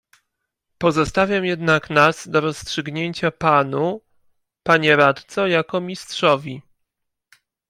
"Pozostawiam jednak nas do rozstrzygnięcia panu, panie radco, jako mistrzowi."